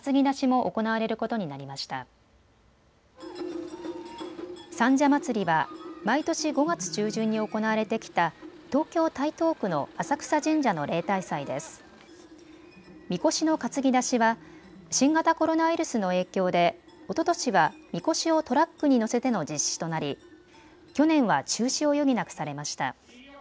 みこしの担ぎ出しは新型コロナウイルスの影響でおととしはみこしをトラックに乗せての実施となり去年は中止を余儀なくされました。